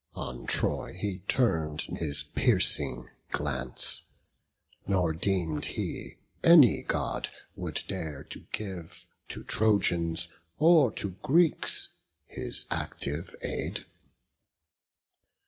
On Troy he turn'd not once his piercing glance; Nor deem'd he any God would dare to give To Trojans or to Greeks his active aid.